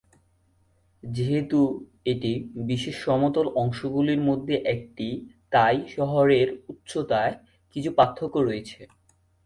যেহেতু এটি বিশ্বের সমতল অংশগুলির মধ্যে একটি, তাই শহরের উচ্চতায় কিছু পার্থক্য রয়েছে।